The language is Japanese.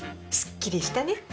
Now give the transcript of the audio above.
すっきりしたね。